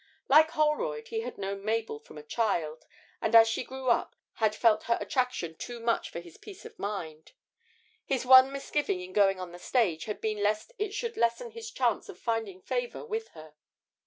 Like Holroyd, he had known Mabel from a child, and as she grew up had felt her attraction too much for his peace of mind. His one misgiving in going on the stage had been lest it should lessen his chance of finding favour with her.